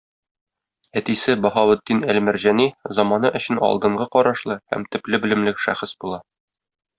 Әтисе Баһаветдин әл-Мәрҗани заманы өчен алдынгы карашлы һәм төпле белемле шәхес була.